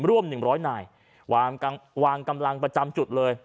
ร่วมหนึ่งร้อยหน่ายวางกำลังประจำจุดเลย